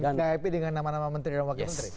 gak happy dengan nama nama menteri dan wakil menteri